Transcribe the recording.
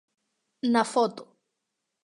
Na foto.